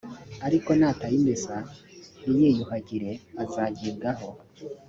ariko natayimesa ntiyiyuhagire azagibwaho